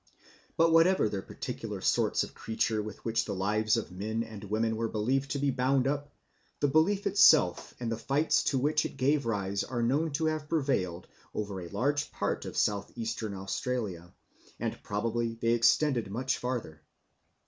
But whatever the particular sorts of creature with which the lives of men and women were believed to be bound up, the belief itself and the fights to which it gave rise are known to have prevailed over a large part of South Eastern Australia, and probably they extended much farther.